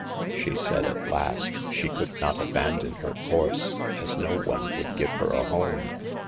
She said at last, she could not abandon her course, as no one would give her a home.